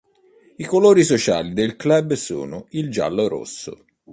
I colori sociali del club sono il giallo-rosso.